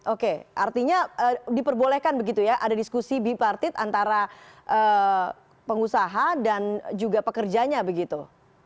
oke artinya diperbolehkan begitu ya ada diskusi bipartit antara pengusaha dan juga pekerjanya begitu